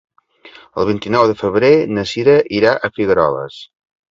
El vint-i-nou de febrer na Cira irà a Figueroles.